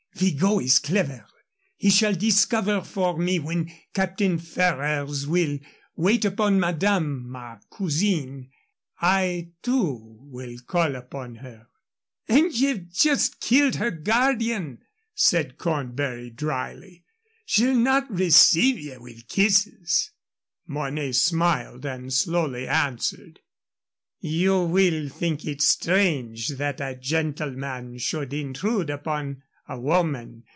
Vigot is clever. He shall discover for me when Captain Ferrers will wait upon madame, ma cousine. I, too, will call upon her." "And ye've just killed her guardian!" said Cornbury, dryly. "She'll not receive ye with kisses." Mornay smiled and slowly answered: "You will think it strange that a gentleman should intrude upon a woman.